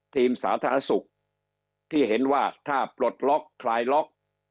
สาธารณสุขที่เห็นว่าถ้าปลดล็อกคลายล็อก